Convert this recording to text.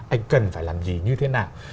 anh cần phải làm gì như thế nào